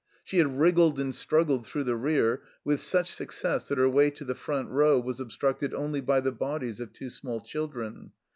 She had wriggled and struggled through the rear, with such success that her way to the front row was obstructed only by the bodies of two small children.